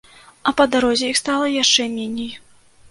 А па дарозе іх стала яшчэ меней.